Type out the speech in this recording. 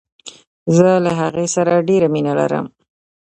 زه له هغې سره ډیره مینه لرم.